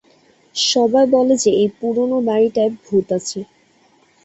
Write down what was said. সবাই বলে যে এই পুরানো বাড়িটায় ভুত আছে।